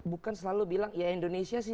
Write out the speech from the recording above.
bukan selalu bilang ya indonesia sih